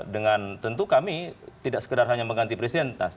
dengan tentu kami tidak sekedar hanya mengganti presiden